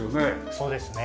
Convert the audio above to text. そうですね。